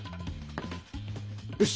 よし！